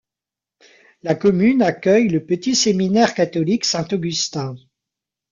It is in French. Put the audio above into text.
La commune accueil le petit séminaire catholique Saint-Augustin.